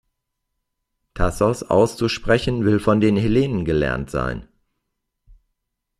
Thasos auszusprechen will von den Hellenen gelernt sein.